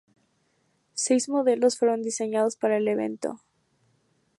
Seis modelos fueron diseñados para el evento.